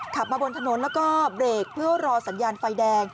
ขับมาบนถนนแล้วก็เบรกเพื่อรอสัญญาณไฟแดง